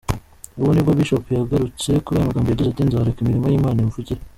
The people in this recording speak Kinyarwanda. Ubwo nibwo Bishop yagarutse kuri aya magambo yagize ati “Nzareka imirimo y’Imana imvugire.